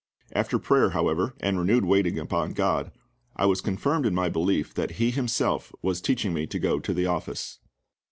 After prayer, however, and renewed waiting upon GOD, I was confirmed in my belief that He Himself was teaching me to go to the office.